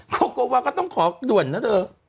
โกโกวาก็ต้องขอด่วนนะเธอ